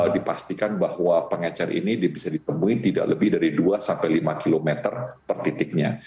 dipastikan bahwa pengecer ini bisa ditemui tidak lebih dari dua sampai lima km per titiknya